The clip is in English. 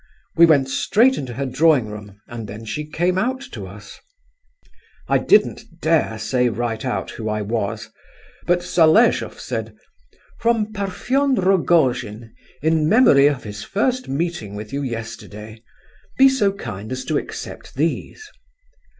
We went straight into her drawing room, and then she came out to us. "I didn't say right out who I was, but Zaleshoff said: 'From Parfen Rogojin, in memory of his first meeting with you yesterday; be so kind as to accept these!